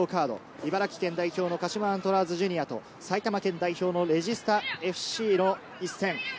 茨城県代表の鹿島アントラーズジュニアと埼玉県代表のレジスタＦＣの一戦。